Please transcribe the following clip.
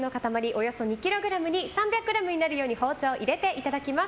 およそ２ｋｇに３００ｇになるように包丁を入れていただきます。